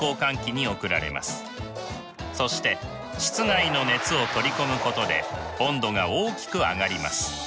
そして室外の熱を取り込むことで温度が大きく上がります。